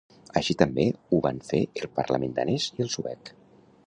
Així també ho van fer el parlament danès i el suec.